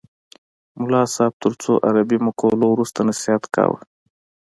ملا صاحب تر څو عربي مقولو وروسته نصیحت کاوه.